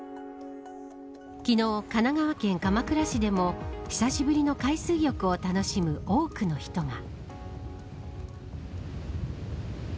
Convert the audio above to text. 昨日、神奈川県鎌倉市でも久しぶりの海水浴を楽しむ多くの人が。